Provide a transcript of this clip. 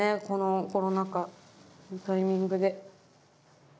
このコロナ禍のタイミングで。